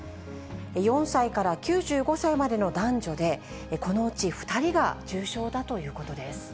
４歳から９５歳までの男女で、このうち２人が重症だということです。